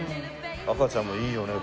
赤ちゃんもいいよね